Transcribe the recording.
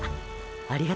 ありがと。